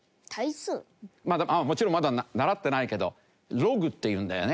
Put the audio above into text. もちろんまだ習ってないけどｌｏｇっていうんだよね。